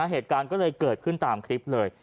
เหตุการณ์ก็เลยเกิดขึ้นตามคลิปเลย